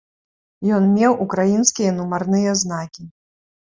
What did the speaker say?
Ён меў украінскія нумарныя знакі.